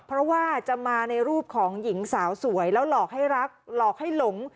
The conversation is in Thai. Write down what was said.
เพราะว่าจะมาในรูปของหญิงสาวสวยแล้วหลอกให้รักหลอกให้หลง